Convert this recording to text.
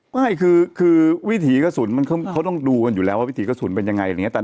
ไม่คือวิถีกระสุนมันเขาต้องดูกันอยู่แล้วว่าวิถีกระสุนเป็นยังไงอะไรอย่างนี้